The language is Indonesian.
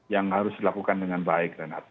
yang harus dilakukan dengan baik renat